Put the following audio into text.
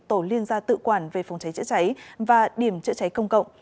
tổ liên gia tự quản về phòng cháy chữa cháy và điểm chữa cháy công cộng